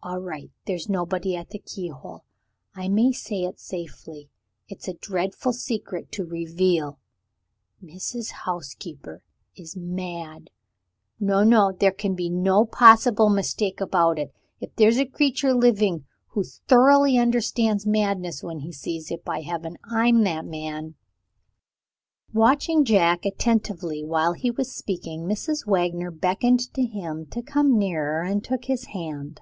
All right; there's nobody at the keyhole; I may say it safely. It's a dreadful secret to reveal Mrs. Housekeeper is mad! No, no; there can be no possible mistake about it. If there's a creature living who thoroughly understands madness when he sees it by Heaven, I'm that man!" Watching Jack attentively while he was speaking. Mrs. Wagner beckoned to him to come nearer, and took him by the hand.